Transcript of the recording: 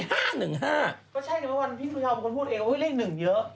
ก็ใช่นะพี่สุชาวมีคนพูดเองว่าเลขหนึ่งเยอะ